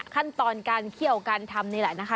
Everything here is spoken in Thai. ขั้นตอนการเคี่ยวการทำนี่แหละนะคะ